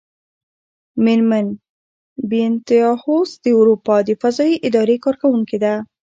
مېرمن بینتهاوس د اروپا د فضايي ادارې کارکوونکې ده.